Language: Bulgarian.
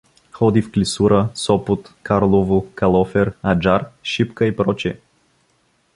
Ходи в Клисура, Сопот, Карлово, Калофер, Аджар, Шипка и пр.